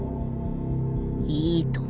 いいとも。